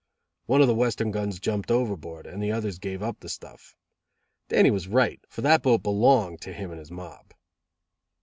One of the Western guns jumped overboard, and the others gave up the stuff. Dannie was right, for that boat belonged to him and his mob.